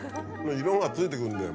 色が付いてくるんだよ